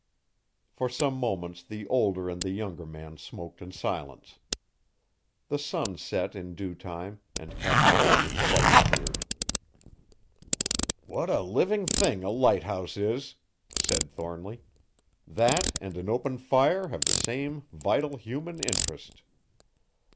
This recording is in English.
For some moments the older and the younger man smoked in silence. The sun set in due time and Captain David's Light appeared. "What a living thing a lighthouse is!" said Thornly; "that and an open fire have the same vital, human interest."